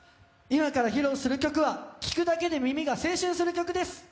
今から披露する曲は聴くだけで耳が青春する曲です。